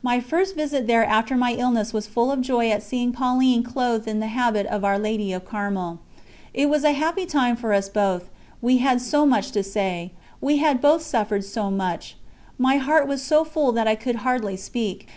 My first visit there after my illness was full of joy at seeing Pauline clothed in the habit of Our Lady of Carmel. It was a happy time for us both, we had so much to say, we had both suffered so much. My heart was so full that I could hardly speak.